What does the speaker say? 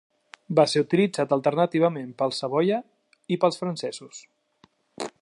Va ser utilitzat alternativament pels Savoia i pels francesos.